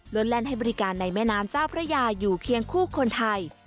แล่นให้บริการในแม่น้ำเจ้าพระยาอยู่เคียงคู่คนไทย